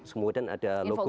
kemudian ada logo